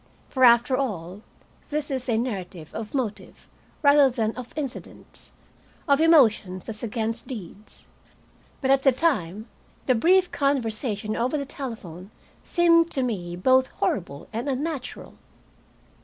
For, after all, this is a narrative of motive rather than of incidents, of emotions as against deeds. But at the time, the brief conversation over the telephone seemed to me both horrible and unnatural.